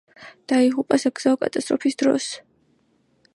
დაიღუპა საგზაო კატასტროფის დროს.